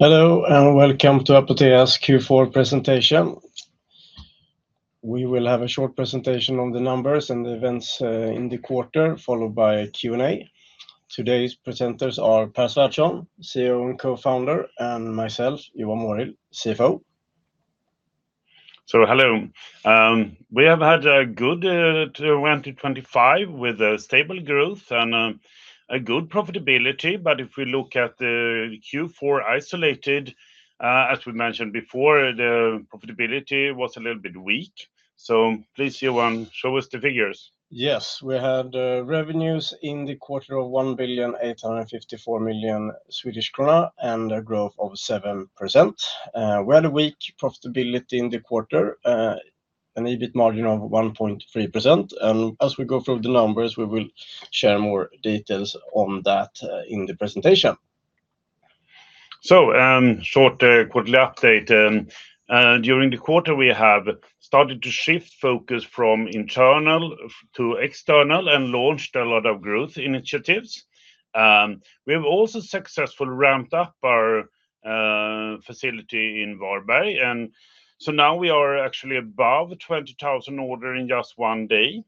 Hello and welcome to Apotea's Q4 presentation. We will have a short presentation on the numbers and the events in the quarter, followed by a Q&A. Today's presenters are Pär Svärdson, CEO and co-founder, and myself, Johan Mårild, CFO. So hello. We have had a good 2025 with stable growth and a good profitability. But if we look at the Q4 isolated, as we mentioned before, the profitability was a little bit weak. So please, Johan, show us the figures. Yes. We had revenues in the quarter of 1,854,000,000 Swedish krona and a growth of 7%. We had a weak profitability in the quarter, an EBIT margin of 1.3%. As we go through the numbers, we will share more details on that in the presentation. So, short quarterly update. During the quarter we have started to shift focus from internal to external and launched a lot of growth initiatives. We have also successfully ramped up our facility in Varberg. And so now we are actually above 20,000 orders in just one day.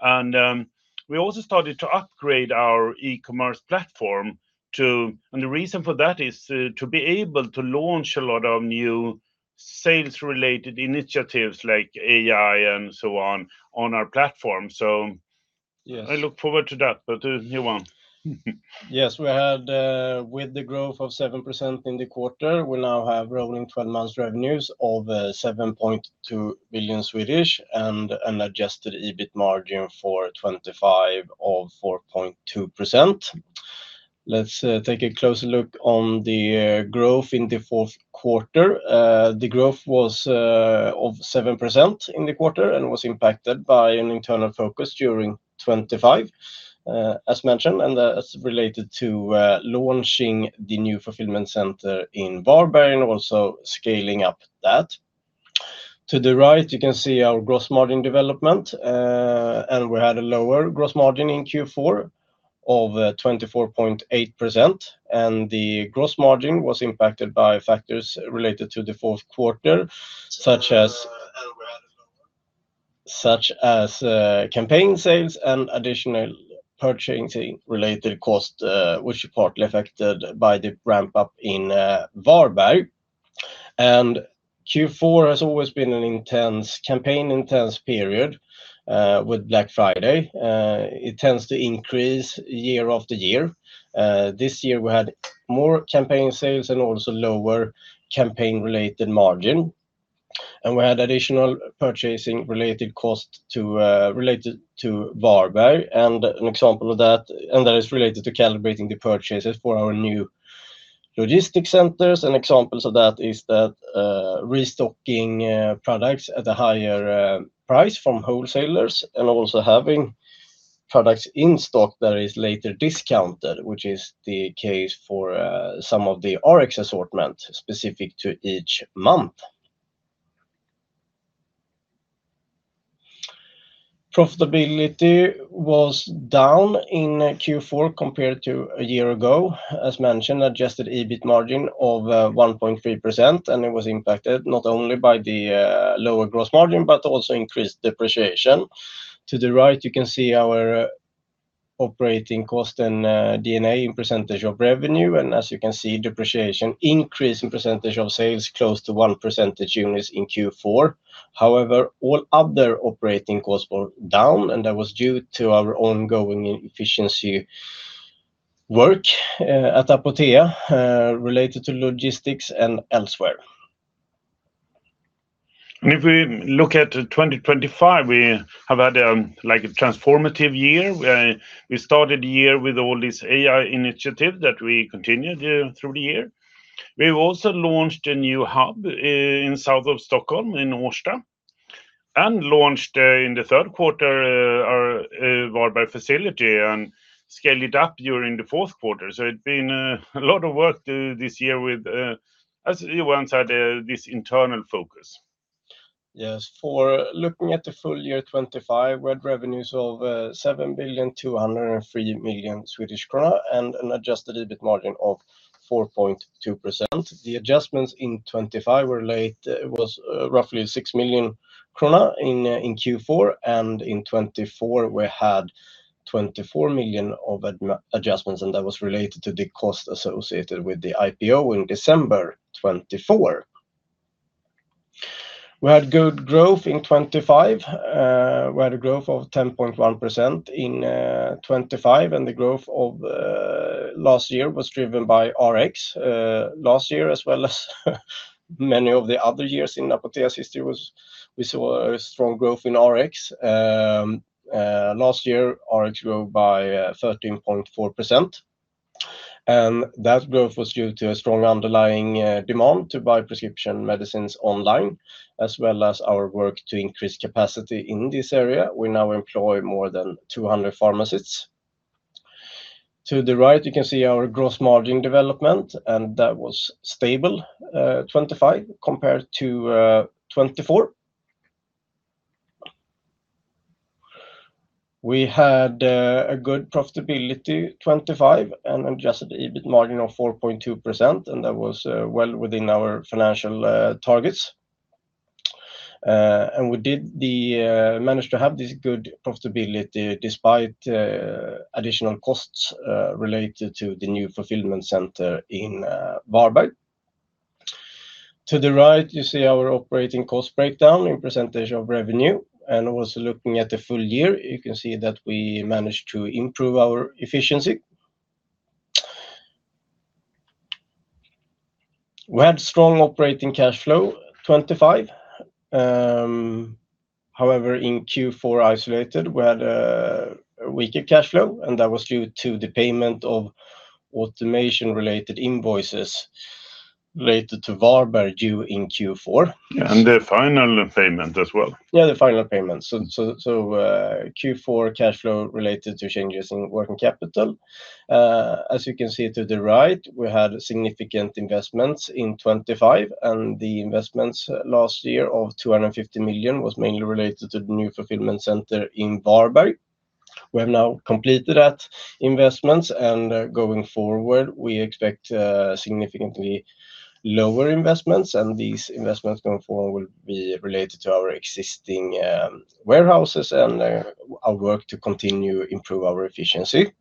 And we also started to upgrade our e-commerce platform to—and the reason for that is to be able to launch a lot of new sales-related initiatives like AI and so on on our platform. So. Yes. I look forward to that. But, Johan. Yes. We had, with the growth of 7% in the quarter, we now have rolling 12-month revenues of 7.2 billion and an adjusted EBIT margin for 2025 of 4.2%. Let's take a closer look on the growth in the fourth quarter. The growth was of 7% in the quarter and was impacted by an internal focus during 2025, as mentioned. That's related to launching the new fulfillment center in Varberg and also scaling up that. To the right, you can see our gross margin development, and we had a lower gross margin in Q4 of 24.8%. The gross margin was impacted by factors related to the fourth quarter, such as. Such as campaign sales and additional purchasing-related cost, which are partly affected by the ramp-up in Varberg. And Q4 has always been an intense campaign-intense period, with Black Friday. It tends to increase year after year. This year we had more campaign sales and also lower campaign-related margin. And we had additional purchasing-related cost related to Varberg. And an example of that and that is related to calibrating the purchases for our new logistics centers. An example of that is that restocking products at a higher price from wholesalers and also having products in stock that are later discounted, which is the case for some of the Rx assortment specific to each month. Profitability was down in Q4 compared to a year ago, as mentioned, adjusted EBIT margin of 1.3%. And it was impacted not only by the lower gross margin but also increased depreciation. To the right, you can see our operating cost and EBITDA in percentage of revenue. As you can see, depreciation increased in percentage of sales close to 1 percentage unit in Q4. However, all other operating costs were down, and that was due to our ongoing efficiency work at Apotea, related to logistics and elsewhere. If we look at 2025, we have had a, like, a transformative year. We started the year with all these AI initiatives that we continued through the year. We also launched a new hub in the south of Stockholm, in Årsta, and launched in the third quarter our Varberg facility and scaled it up during the fourth quarter. So it's been a lot of work this year with, as Johan said, this internal focus. Yes. For looking at the full year 2025, we had revenues of 7,203,000,000 Swedish krona and an adjusted EBIT margin of 4.2%. The adjustments in 2025 were roughly 6 million krona in Q4. In 2024, we had 24 million of adjustments, and that was related to the cost associated with the IPO in December 2024. We had good growth in 2025. We had a growth of 10.1% in 2025. The growth of last year was driven by Rx. Last year, as well as many of the other years in Apotea's history, we saw a strong growth in Rx. Last year, Rx grew by 13.4%. That growth was due to a strong underlying demand to buy prescription medicines online, as well as our work to increase capacity in this area. We now employ more than 200 pharmacies. To the right, you can see our gross margin development, and that was stable, 2025 compared to 2024. We had a good profitability 2025 and an adjusted EBIT margin of 4.2%. And that was well within our financial targets. And we did manage to have this good profitability despite additional costs related to the new fulfillment center in Varberg. To the right, you see our operating cost breakdown in percentage of revenue. And also looking at the full year, you can see that we managed to improve our efficiency. We had strong operating cash flow 2025. However, in Q4 isolated, we had a weaker cash flow, and that was due to the payment of automation-related invoices related to Varberg due in Q4. Yeah. And the final payment as well. Yeah, the final payment. So, Q4 cash flow related to changes in working capital. As you can see to the right, we had significant investments in 2025. The investments last year of 250 million was mainly related to the new fulfillment center in Varberg. We have now completed that investments. Going forward, we expect significantly lower investments. These investments going forward will be related to our existing warehouses and our work to continue to improve our efficiency.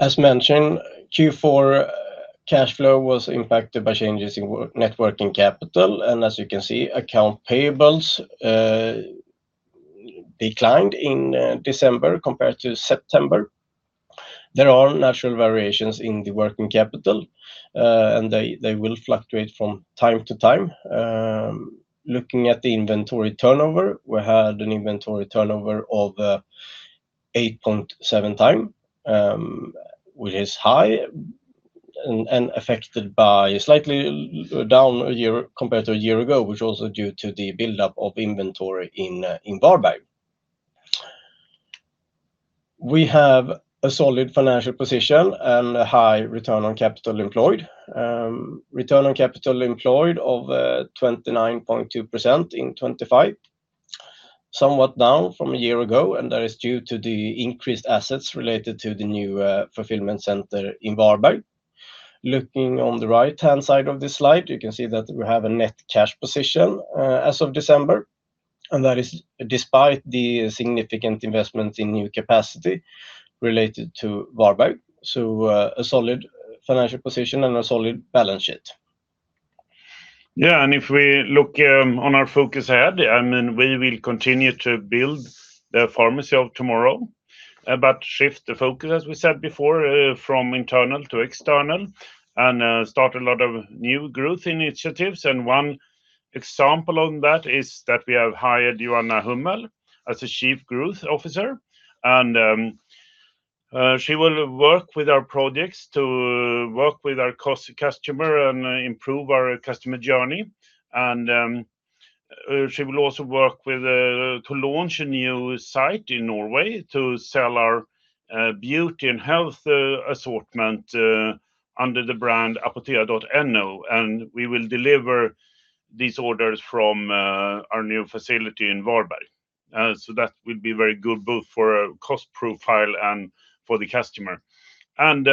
As mentioned, Q4 cash flow was impacted by changes in working capital. As you can see, accounts payable declined in December compared to September. There are natural variations in the working capital, and they will fluctuate from time to time. Looking at the inventory turnover, we had an inventory turnover of 8.7 times, which is high and affected by slightly down a year compared to a year ago, which is also due to the buildup of inventory in Varberg. We have a solid financial position and a high return on capital employed. Return on capital employed of 29.2% in 2025, somewhat down from a year ago. And that is due to the increased assets related to the new fulfillment center in Varberg. Looking on the right-hand side of the slide, you can see that we have a net cash position as of December. And that is despite the significant investments in new capacity related to Varberg. So, a solid financial position and a solid balance sheet. Yeah. And if we look on our focus ahead, I mean, we will continue to build the pharmacy of tomorrow, but shift the focus, as we said before, from internal to external and start a lot of new growth initiatives. And one example of that is that we have hired Joanna Hummel as Chief Growth Officer. And she will work with our projects to work with our core customer and improve our customer journey. And she will also work with to launch a new site in Norway to sell our beauty and health assortment under the brand Apotea.no. And we will deliver these orders from our new facility in Varberg. So that will be very good both for a cost profile and for the customer. And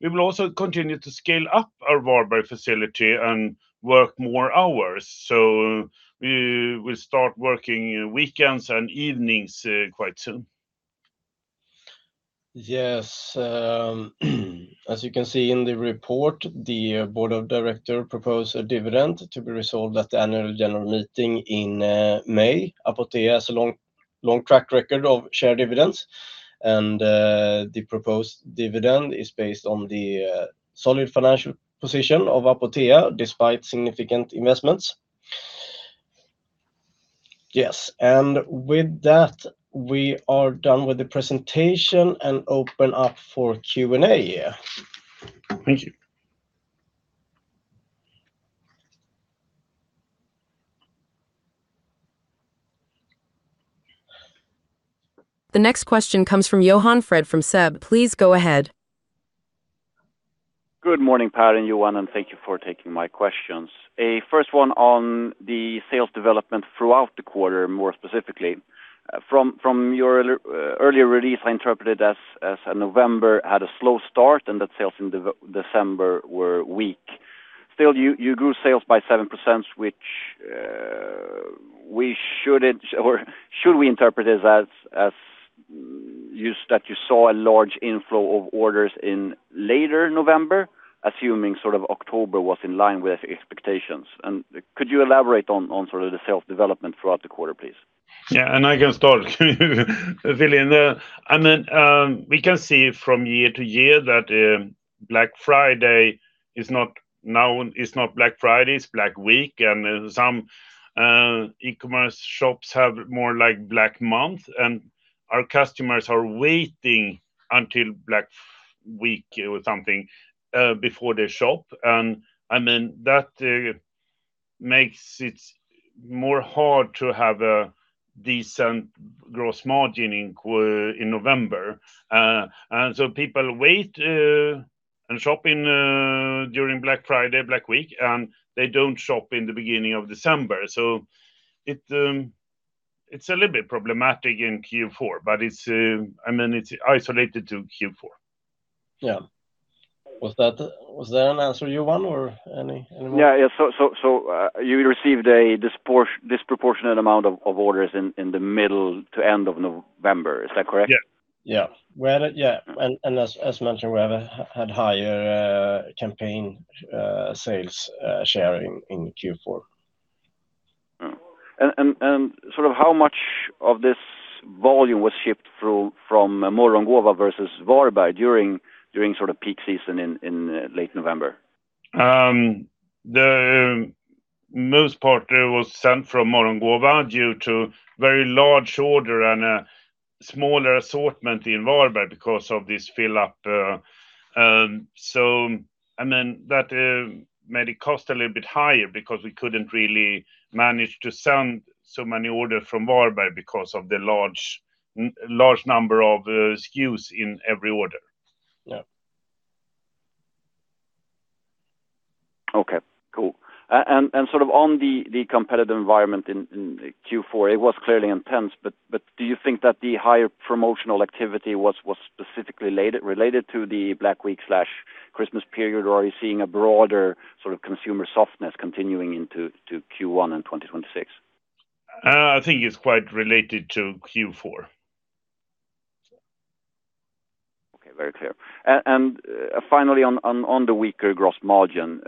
we will also continue to scale up our Varberg facility and work more hours. So we will start working weekends and evenings, quite soon. Yes. As you can see in the report, the board of directors proposed a dividend to be resolved at the annual general meeting in May. Apotea has a long, long track record of share dividends. The proposed dividend is based on the solid financial position of Apotea despite significant investments. Yes. With that, we are done with the presentation and open up for Q&A. Thank you. The next question comes from Johan Fred from SEB. Please go ahead. Good morning, Pär and Johan. Thank you for taking my questions. A first one on the sales development throughout the quarter, more specifically. From your earlier release, I interpreted as November had a slow start and that sales in December were weak. Still, you grew sales by 7%, which, we shouldn't or should we interpret as that you saw a large inflow of orders in later November, assuming sort of October was in line with expectations? And could you elaborate on sort of the sales development throughout the quarter, please? Yeah. And I can start, William. I mean, we can see from year to year that Black Friday is not now is not Black Friday. It's Black Week. And some e-commerce shops have more like Black month. And our customers are waiting until Black Week or something before they shop. And I mean, that makes it more hard to have a decent gross margin in November. And so people wait and shop during Black Friday, Black Week. And they don't shop in the beginning of December. So it is a little bit problematic in Q4. But it is, I mean, it is isolated to Q4. Yeah. Was there an answer, Johan, or any more? Yeah. So, you received a disproportionate amount of orders in the middle to end of November. Is that correct? Yeah. As mentioned, we had higher campaign sales share in Q4. And sort of how much of this volume was shipped through from Morgongåva versus Varberg during sort of peak season in late November? The most part was sent from Morgongåva due to very large order and a smaller assortment in Varberg because of this fill-up. So I mean, that made it cost a little bit higher because we couldn't really manage to send so many orders from Varberg because of the large, large number of SKUs in every order. Yeah. Okay. Cool. And sort of on the competitive environment in Q4, it was clearly intense. But do you think that the higher promotional activity was specifically related to the Black Week/Christmas period, or are you seeing a broader sort of consumer softness continuing into Q1 and 2026? I think it's quite related to Q4. Okay. Very clear. And finally, on the weaker gross margin,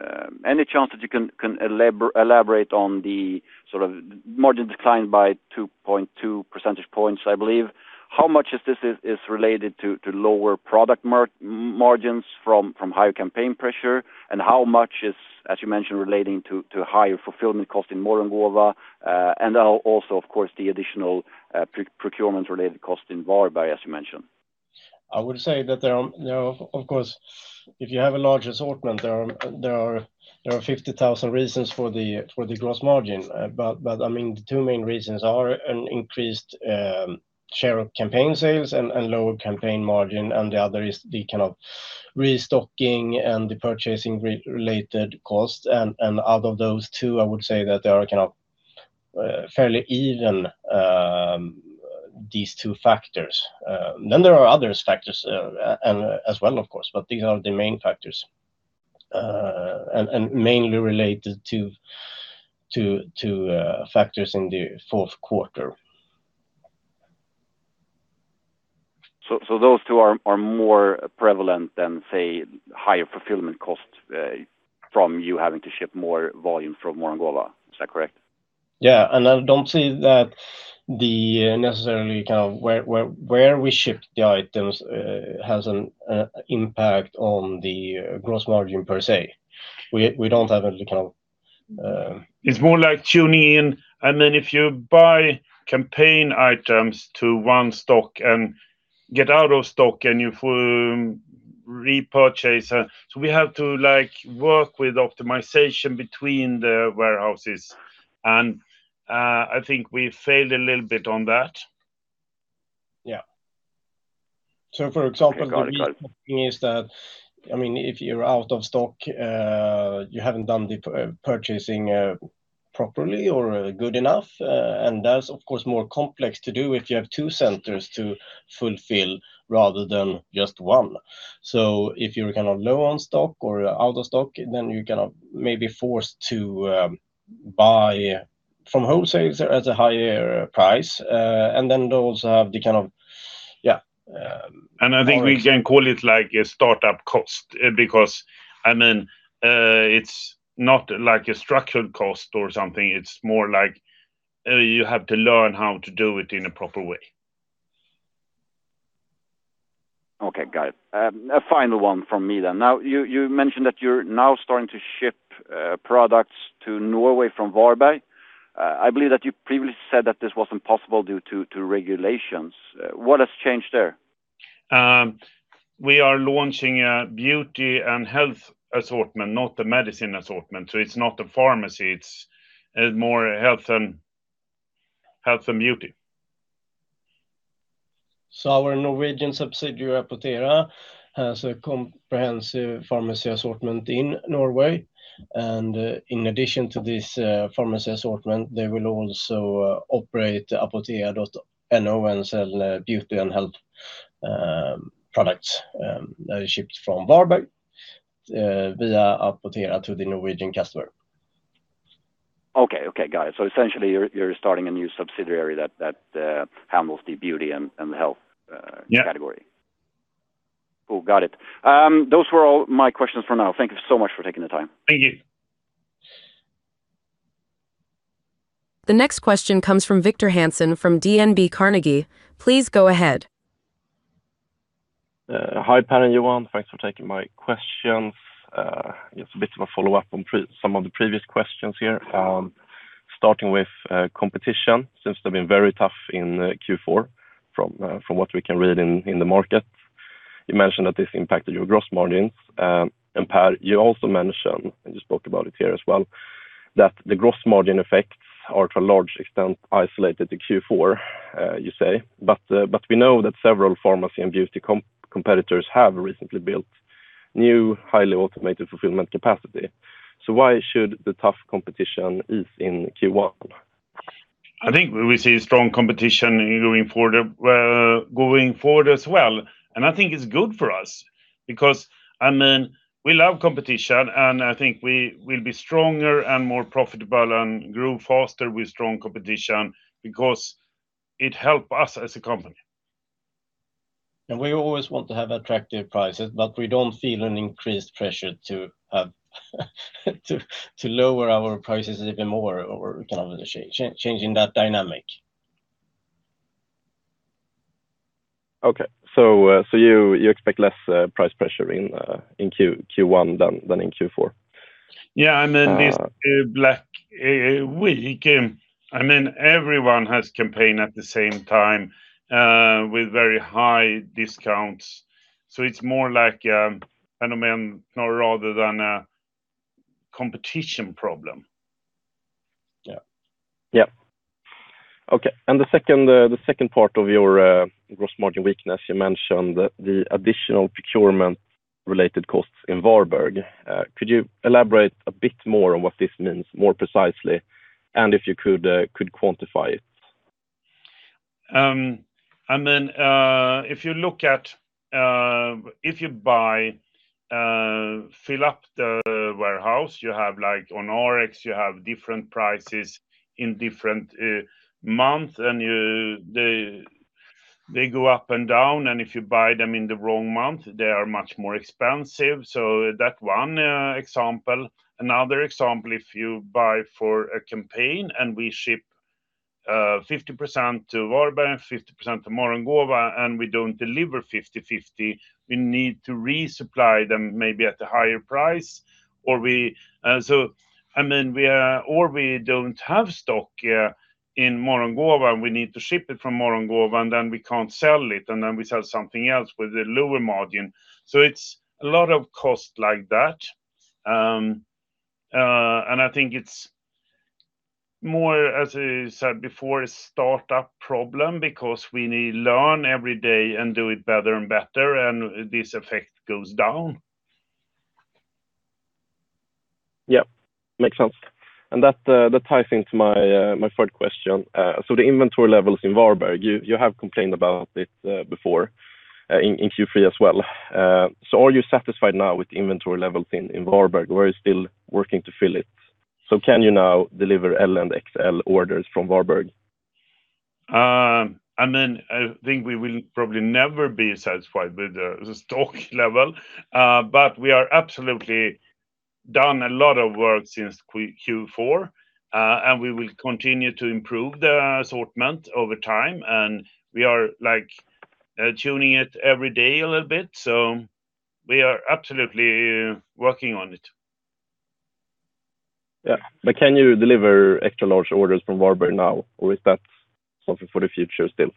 any chance that you can elaborate on the sort of margin declined by 2.2 percentage points, I believe? How much is this related to lower product margins from higher campaign pressure? And how much is, as you mentioned, relating to higher fulfillment cost in Morgongåva? And also, of course, the additional procurement-related cost in Varberg, as you mentioned. I would say that there are now, of course, if you have a large assortment, there are, there are, there are 50,000 reasons for the, for the gross margin. But, but I mean, the two main reasons are an increased share of campaign sales and, and lower campaign margin. And the other is the kind of restocking and the purchasing-related cost. And, and out of those two, I would say that there are kind of, fairly even, these two factors. Then there are other factors, and as well, of course. But these are the main factors, and, and mainly related to, to, to, factors in the fourth quarter. Those two are more prevalent than, say, higher fulfillment cost from you having to ship more volume from Morgongåva. Is that correct? Yeah. And I don't see that the necessarily kind of where we ship the items has an impact on the gross margin per se. We don't have any kind of, It's more like tuning in. I mean, if you buy campaign items to one stock and get out of stock, and you repurchase so we have to, like, work with optimization between the warehouses. And I think we failed a little bit on that. Yeah. So, for example, the reason is that, I mean, if you're out of stock, you haven't done the purchasing properly or good enough. And that's, of course, more complex to do if you have two centers to fulfill rather than just one. So if you're kind of low on stock or out of stock, then you're kind of maybe forced to buy from wholesalers at a higher price. And then they also have the kind of yeah. And I think we can call it like a startup cost because, I mean, it's not like a structured cost or something. It's more like you have to learn how to do it in a proper way. Okay. Got it. A final one from me then. Now, you mentioned that you're now starting to ship products to Norway from Varberg. I believe that you previously said that this wasn't possible due to regulations. What has changed there? We are launching a beauty and health assortment, not a medicine assortment. So it's not a pharmacy. It's, more health and health and beauty. Our Norwegian subsidiary Apotea has a comprehensive pharmacy assortment in Norway. In addition to this, pharmacy assortment, they will also operate Apotea.no and sell beauty and health products that are shipped from Varberg via Apotea to the Norwegian customer. Okay. Okay. Got it. So essentially, you're starting a new subsidiary that handles the beauty and health category. Yeah. Cool. Got it. Those were all my questions for now. Thank you so much for taking the time. Thank you. The next question comes from Victor Hansen from DNB Carnegie. Please go ahead. Hi, Pär and Johan. Thanks for taking my questions. Just a bit of a follow-up on some of the previous questions here. Starting with competition, since they've been very tough in Q4 from, from what we can read in, in the market. You mentioned that this impacted your gross margins. And Pär, you also mentioned and you spoke about it here as well that the gross margin effects are to a large extent isolated to Q4, you say. But, but we know that several pharmacy and beauty competitors have recently built new, highly automated fulfillment capacity. So why should the tough competition ease in Q1? I think we see strong competition going forward, going forward as well. And I think it's good for us because, I mean, we love competition. And I think we will be stronger and more profitable and grow faster with strong competition because it helps us as a company. We always want to have attractive prices. But we don't feel an increased pressure to have to lower our prices even more or kind of changing that dynamic. Okay. So you expect less price pressure in Q1 than in Q4? Yeah. I mean, this Black Week, I mean, everyone has campaign at the same time, with very high discounts. So it's more like a phenomenon rather than a competition problem. Yeah. Yeah. Okay. And the second part of your gross margin weakness, you mentioned the additional procurement-related costs in Varberg. Could you elaborate a bit more on what this means more precisely and if you could quantify it? I mean, if you look at, if you buy, fill up the warehouse, you have, like, on Rx, you have different prices in different months. And you, they, they go up and down. And if you buy them in the wrong month, they are much more expensive. So that one example. Another example, if you buy for a campaign and we ship 50% to Varberg, 50% to Morgongåva, and we don't deliver 50/50, we need to resupply them maybe at a higher price. Or we, and so, I mean, we are or we don't have stock in Morgongåva, and we need to ship it from Morgongåva, and then we can't sell it. And then we sell something else with a lower margin. So it's a lot of cost like that. I think it's more, as I said before, a startup problem because we need to learn every day and do it better and better. This effect goes down. Yeah. Makes sense. That ties into my third question. The inventory levels in Varberg, you have complained about it before, in Q3 as well. Are you satisfied now with the inventory levels in Varberg, or are you still working to fill it? Can you now deliver L and XL orders from Varberg? I mean, I think we will probably never be satisfied with the stock level. But we are absolutely done a lot of work since Q4. And we will continue to improve the assortment over time. And we are, like, tuning it every day a little bit. So we are absolutely working on it. Yeah. But can you deliver extra large orders from Varberg now, or is that something for the future still?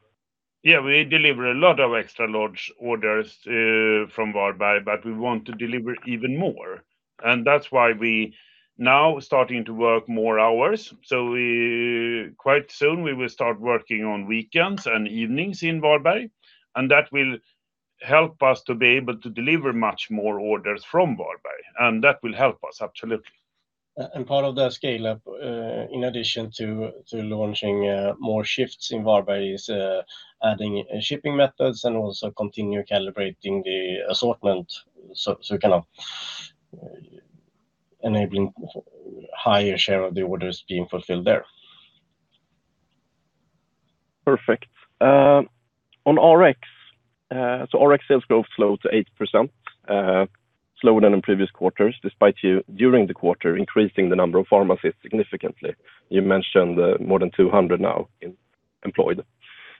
Yeah. We deliver a lot of extra large orders from Varberg. But we want to deliver even more. And that's why we now starting to work more hours. So we, quite soon, we will start working on weekends and evenings in Varberg. And that will help us to be able to deliver much more orders from Varberg. And that will help us, absolutely. Part of the scale-up, in addition to launching more shifts in Varberg, is adding shipping methods and also continue calibrating the assortment so kind of enabling higher share of the orders being fulfilled there. Perfect. On Rx, so Rx sales growth slowed to 8%, slower than in previous quarters despite you during the quarter increasing the number of pharmacies significantly. You mentioned more than 200 now employed.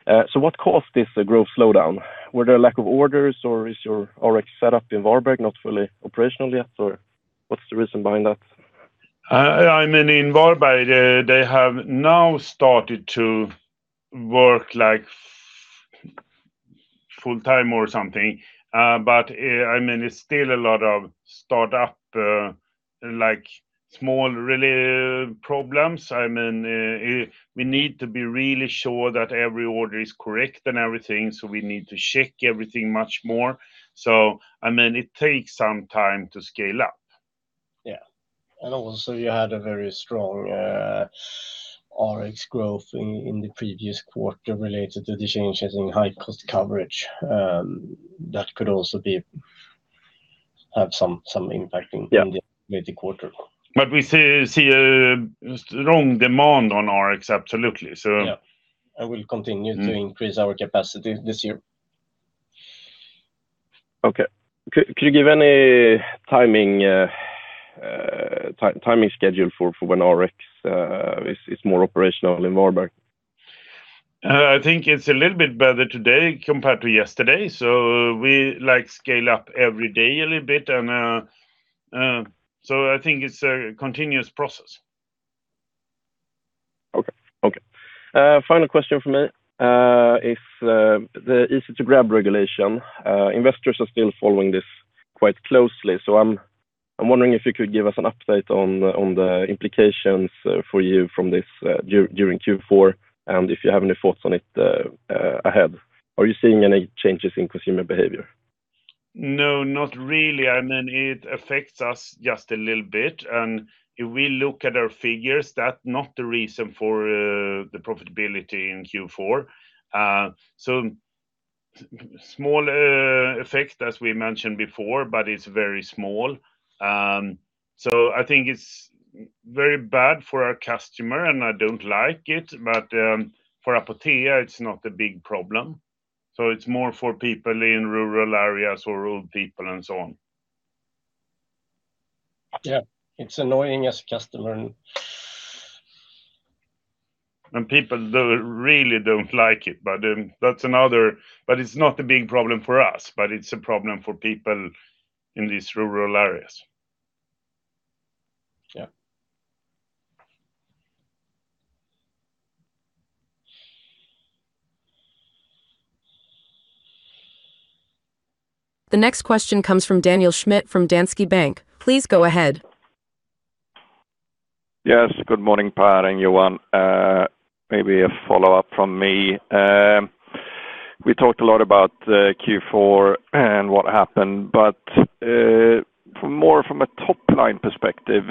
So what caused this growth slowdown? Were there a lack of orders, or is your Rx set up in Varberg not fully operational yet, or what's the reason behind that? I mean, in Varberg, they have now started to work, like, full-time or something. But, I mean, it's still a lot of startup, like, small relay problems. I mean, we need to be really sure that every order is correct and everything. So we need to check everything much more. So, I mean, it takes some time to scale up. Yeah. And also, you had a very strong Rx growth in the previous quarter related to the changes in high-cost coverage. That could also have some impact in the quarter. But we see a strong demand on Rx, absolutely. So. Yeah. We'll continue to increase our capacity this year. Okay. Could you give any timing schedule for when Rx is more operational in Varberg? I think it's a little bit better today compared to yesterday. So we, like, scale up every day a little bit. And, so I think it's a continuous process. Okay. Okay, final question for me is the Easy-to-grab regulation. Investors are still following this quite closely. So I'm wondering if you could give us an update on the implications for you from this during Q4 and if you have any thoughts on it ahead. Are you seeing any changes in consumer behavior? No, not really. I mean, it affects us just a little bit. And if we look at our figures, that's not the reason for the profitability in Q4. So small effect, as we mentioned before, but it's very small. So I think it's very bad for our customer. And I don't like it. But for Apotea, it's not a big problem. So it's more for people in rural areas or rural people and so on. Yeah. It's annoying as a customer. People really don't like it. But that's another, but it's not a big problem for us. But it's a problem for people in these rural areas. Yeah. The next question comes from Daniel Schmidt from Danske Bank. Please go ahead. Yes. Good morning, Pär and Johan. Maybe a follow-up from me. We talked a lot about Q4 and what happened. But more from a top-line perspective,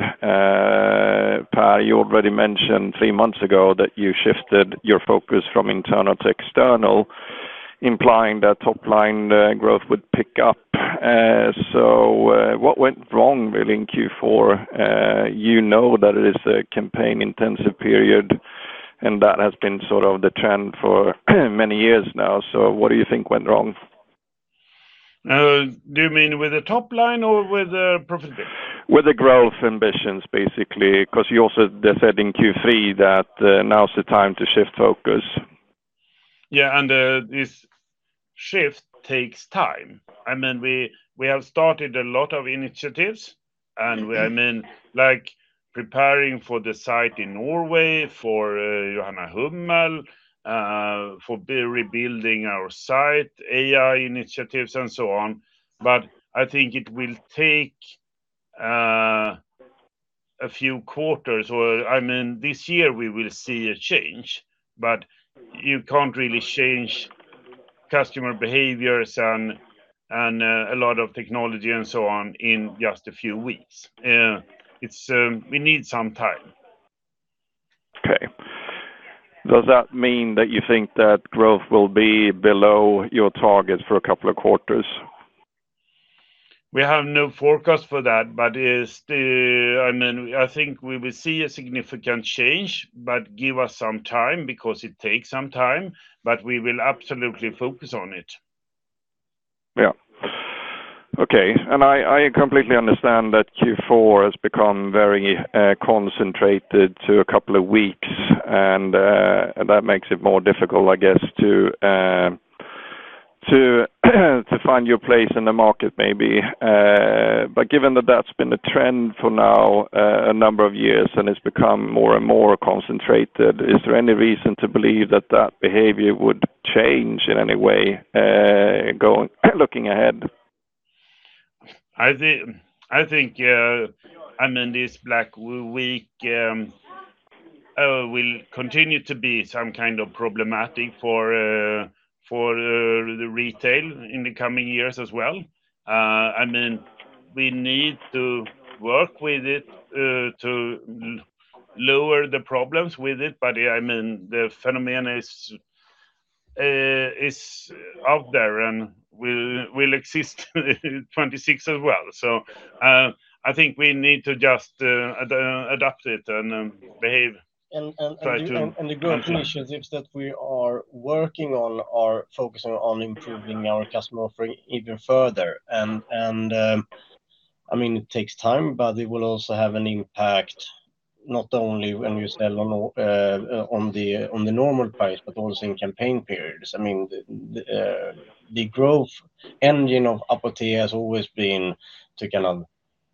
Pär, you already mentioned three months ago that you shifted your focus from internal to external, implying that top-line growth would pick up. So, what went wrong, really, in Q4? You know that it is a campaign-intensive period. And that has been sort of the trend for many years now. So what do you think went wrong? Do you mean with the top-line or with the profitability? With the growth ambitions, basically, because you also said in Q3 that, now's the time to shift focus. Yeah. And this shift takes time. I mean, we have started a lot of initiatives. And we, I mean, like, preparing for the site in Norway for Joanna Hummel, for rebuilding our site, AI initiatives, and so on. But I think it will take a few quarters. Or, I mean, this year, we will see a change. But you can't really change customer behaviors and a lot of technology and so on in just a few weeks. It's, we need some time. Okay. Does that mean that you think that growth will be below your targets for a couple of quarters? We have no forecast for that. But it's the I mean, I think we will see a significant change. But give us some time because it takes some time. But we will absolutely focus on it. Yeah. Okay. And I completely understand that Q4 has become very concentrated to a couple of weeks. And that makes it more difficult, I guess, to find your place in the market, maybe. But given that that's been a trend for now, a number of years, and it's become more and more concentrated, is there any reason to believe that that behavior would change in any way, going looking ahead? I think, I mean, this Black Week will continue to be some kind of problematic for the retail in the coming years as well. I mean, we need to work with it, to lower the problems with it. But, I mean, the phenomenon is out there. And we'll exist in 2026 as well. So, I think we need to just adapt it and behave. You and the growth initiatives that we are working on are focusing on improving our customer offering even further. I mean, it takes time. But it will also have an impact not only when you sell on the normal price but also in campaign periods. I mean, the growth engine of Apotea has always been to kind of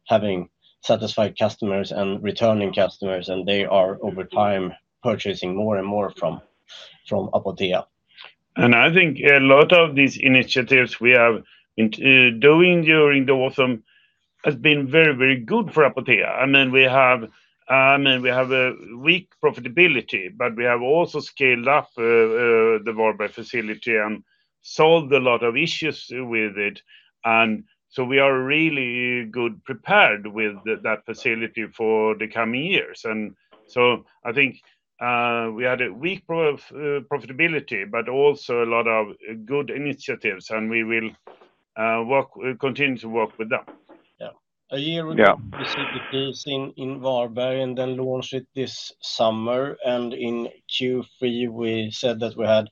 having satisfied customers and returning customers. And they are, over time, purchasing more and more from Apotea. I think a lot of these initiatives we have in doing during the autumn have been very, very good for Apotea. I mean, we have I mean, we have a weak profitability. But we have also scaled up, the Varberg facility and solved a lot of issues with it. So we are really good prepared with that facility for the coming years. So I think, we had a weak profitability but also a lot of good initiatives. We will, work continue to work with them. Yeah. A year ago, we said that this in Varberg, and then launched it this summer. In Q3, we said that we had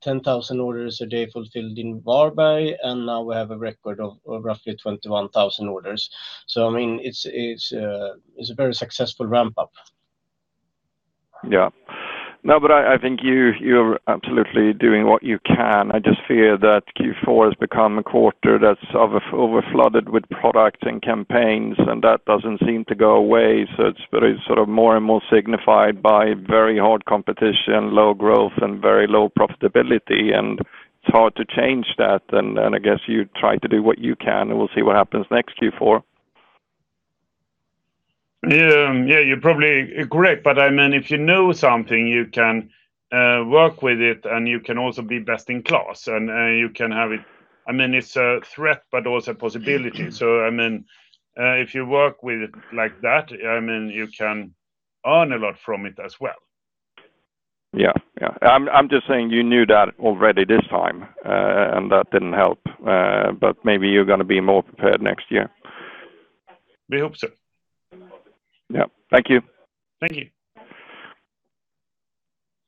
10,000 orders a day fulfilled in Varberg. Now we have a record of roughly 21,000 orders. I mean, it's a very successful ramp-up. Yeah. No, but I think you are absolutely doing what you can. I just fear that Q4 has become a quarter that's overflooded with products and campaigns. And that doesn't seem to go away. So it's very sort of more and more signified by very hard competition, low growth, and very low profitability. And it's hard to change that. And I guess you try to do what you can. And we'll see what happens next Q4. Yeah. Yeah. You're probably correct. But, I mean, if you know something, you can work with it. And you can also be best in class. And you can have it. I mean, it's a threat but also a possibility. So, I mean, if you work with it like that, I mean, you can earn a lot from it as well. Yeah. Yeah. I'm just saying you knew that already this time, and that didn't help. But maybe you're going to be more prepared next year. We hope so. Yeah. Thank you. Thank you.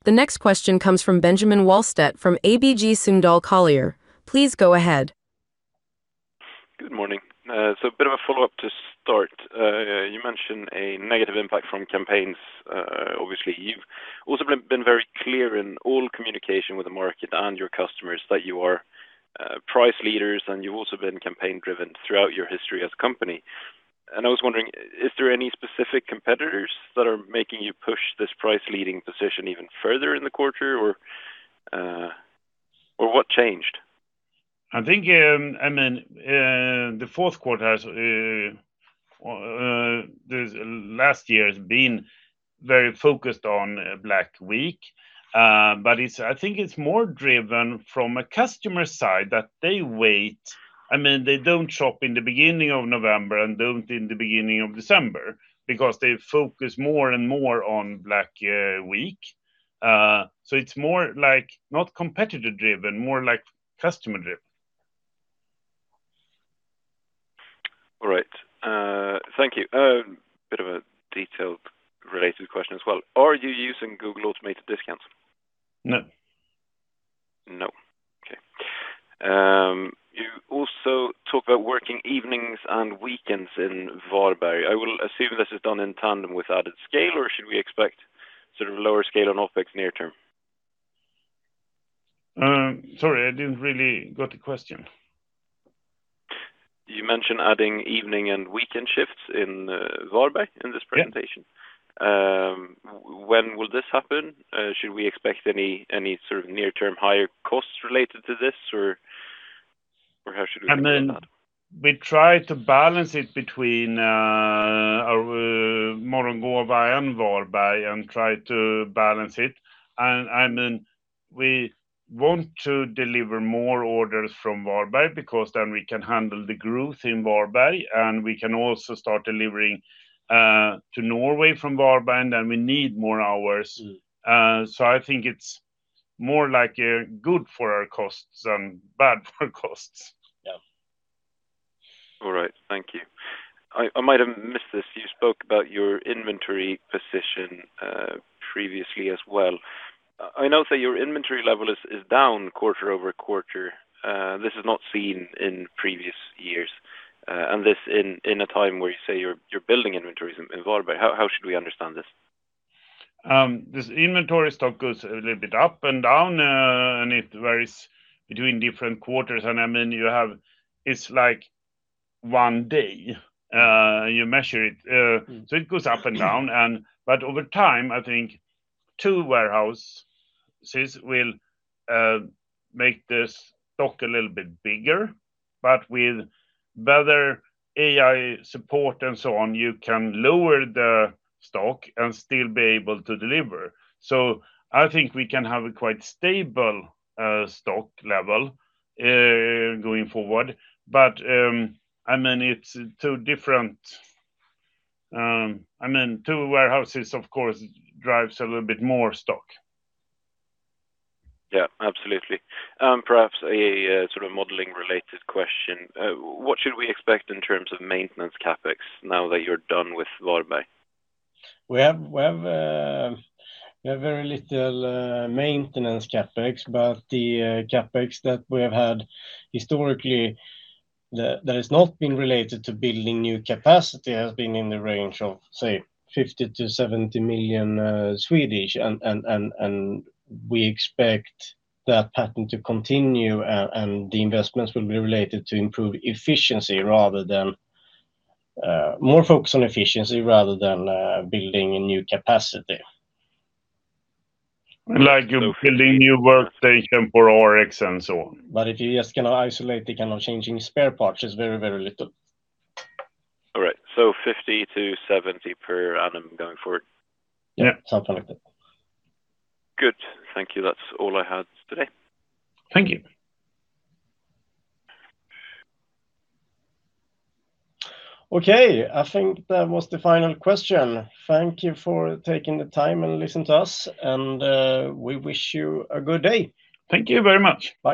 The next question comes from Benjamin Wahlstedt from ABG Sundal Collier. Please go ahead. Good morning. So a bit of a follow-up to start. You mentioned a negative impact from campaigns, obviously. You've also been, been very clear in all communication with the market and your customers that you are, price leaders. And you've also been campaign-driven throughout your history as a company. And I was wondering, is there any specific competitors that are making you push this price-leading position even further in the quarter, or, or what changed? I think, I mean, the fourth quarter has, the last year has been very focused on Black Week. But it's I think it's more driven from a customer side that they wait. I mean, they don't shop in the beginning of November and don't in the beginning of December because they focus more and more on Black Week. So it's more like not competitor-driven, more like customer-driven. All right. Thank you. Bit of a detailed related question as well. Are you using Google automated discounts? No. No. Okay. You also talk about working evenings and weekends in Varberg. I will assume this is done in tandem with added scale, or should we expect sort of lower scale on OPEX near-term? Sorry. I didn't really got the question. You mentioned adding evening and weekend shifts in Varberg in this presentation. Yeah. When will this happen? Should we expect any sort of near-term higher costs related to this, or how should we handle that? I mean, we try to balance it between our Morgongåva and Varberg and try to balance it. I mean, we want to deliver more orders from Varberg because then we can handle the growth in Varberg. We can also start delivering to Norway from Varberg. Then we need more hours. So I think it's more like good for our costs than bad for our costs. Yeah. All right. Thank you. I might have missed this. You spoke about your inventory position, previously as well. I know that your inventory level is down quarter-over-quarter. This is not seen in previous years, and this in a time where you say you're building inventories in Varberg. How should we understand this? This inventory stock goes a little bit up and down. It varies between different quarters. And, I mean, you have it's like one day. You measure it. So it goes up and down. And but over time, I think two warehouses will make this stock a little bit bigger. But with better AI support and so on, you can lower the stock and still be able to deliver. So I think we can have a quite stable stock level going forward. But, I mean, it's two different I mean, two warehouses, of course, drives a little bit more stock. Yeah. Absolutely. Perhaps a sort of modeling-related question. What should we expect in terms of maintenance Capex now that you're done with Varberg? We have very little maintenance CapEx. But the CapEx that we have had historically that has not been related to building new capacity has been in the range of, say, 50-70 million. And we expect that pattern to continue. And the investments will be related to improve efficiency rather than more focus on efficiency rather than building new capacity. Like you're building new workstations for Rx and so on? But if you just kind of isolate the kind of changing spare parts, it's very, very little. All right. So 50-70 per annum going forward? Yeah. Something like that. Good. Thank you. That's all I had today. Thank you. Okay. I think that was the final question. Thank you for taking the time and listening to us. We wish you a good day. Thank you very much. Bye.